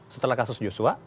setelah kasus juswa